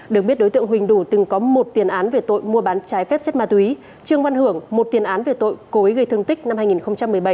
được biết đối tượng huỳnh đủ từng có một tiền án về tội mua bán trái phép chất ma túy trương văn hưởng một tiền án về tội cố ý gây thương tích năm hai nghìn một mươi bảy